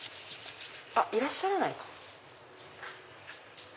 いらっしゃらないかな？